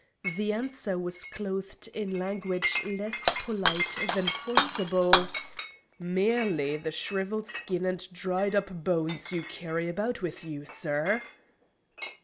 The answer was clothed in language less polite than forcible: "Merely the shrivelled skin and dried up bones you carry about with you, sir!"